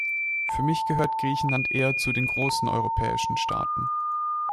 Für mich gehört Griechenland eher zu den großen europäischen Staaten.